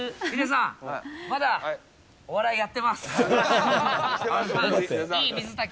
ヒデさん、まだお笑いやってます。